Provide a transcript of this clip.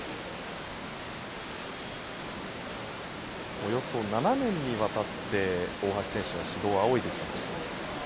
およそ７年にわたって大橋選手の指導を仰いできました。